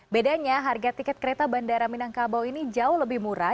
bedanya harga tiket kereta bandara minangkabau ini jauh lebih murah